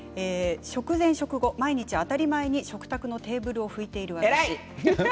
食前、食後、毎日当たり前に食卓のテーブルを拭いている私。